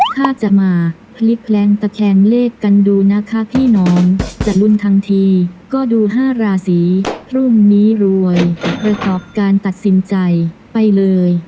ถ้าจะมาพลิกแพลงตะแคงเลขกันดูนะคะพี่น้องจะลุ้นทันทีก็ดู๕ราศีพรุ่งนี้รวยประกอบการตัดสินใจไปเลย